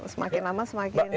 semakin lama semakin